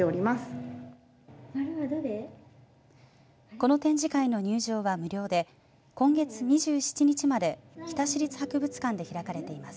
この展示会の入場は無料で今月２７日まで日田市立博物館で開かれています。